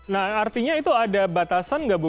nah artinya itu ada batasan nggak bu